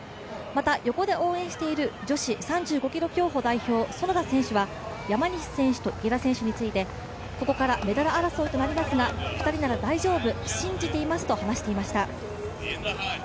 また横で応援している女子３５ｋｍ競歩代表、園田選手は、山西選手と池田選手についてここからメダル争いとなりますが２人なら大丈夫、信じていますと話していました。